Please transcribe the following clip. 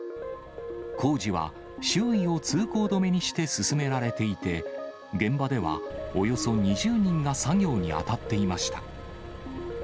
工事は周囲を通行止めにして進められていて、現場ではおよそ２０人が作業に当たっていました。